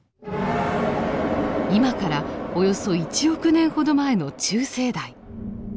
今からおよそ１億年ほど前の中生代。